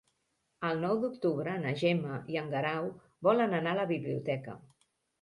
El nou d'octubre na Gemma i en Guerau volen anar a la biblioteca.